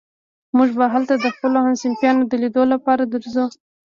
موږ به هلته د خپلو همصنفيانو د ليدو لپاره درځو.